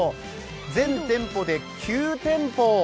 全店舗で９店舗